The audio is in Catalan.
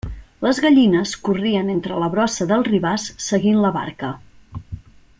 Les gallines corrien entre la brossa del ribàs seguint la barca.